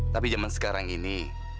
tapi zaman sekarang ini